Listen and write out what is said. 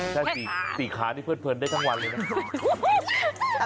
แค่๔ค้าที่เพื่อนได้ทั้งวันเลยนะครับ